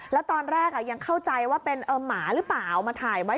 แล้วตอนแรกยังเข้าใจว่าเป็นหมาหรือเปล่ามาถ่ายไว้